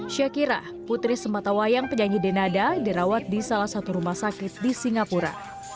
syakira putri sematawayang penyanyi denada dirawat di salah satu rumah sakit di singapura